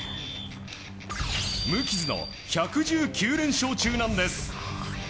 無傷の１１９連勝中なんです。